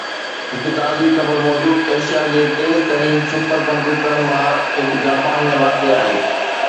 هڪ تازي خبر موجب ايشيا جي تيز ترين سپر ڪمپيوٽرن مان هڪ جاپان ۾ واقع آهي